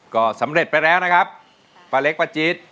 ก็สำเร็จไปแล้วนะครับป้าเล็กป้าจี๊ด